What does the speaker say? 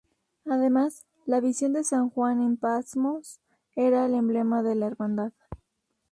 Además, la visión de san Juan en Patmos era el emblema de la Hermandad.